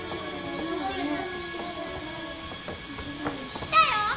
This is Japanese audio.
来たよ！